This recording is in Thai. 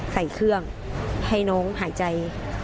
ใส่เครื่องให้น้องหายใจ